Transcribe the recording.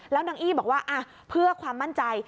แล้วนางอี้บอกว่าเพื่อความมั่นใจ